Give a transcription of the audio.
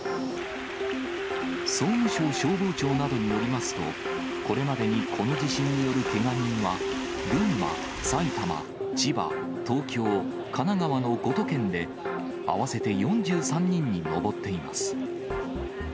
総務省消防庁などによりますと、これまでにこの地震によるけが人は群馬、埼玉、千葉、東京、神奈川の５都県で、合わせて４３人に上っています。